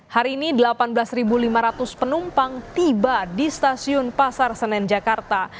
hari ini delapan belas lima ratus penumpang tiba di stasiun pasar senen jakarta